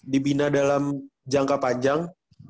dibina dalam jangka panjang